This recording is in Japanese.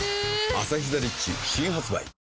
「アサヒザ・リッチ」新発売